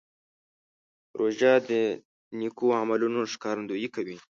روژه د نیکو عملونو ښکارندویي کوي.